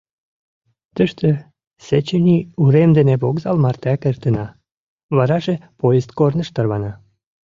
Тыште Сеченьи урем дене вокзал мартеак эртена; вараже поезд корныш тарвана...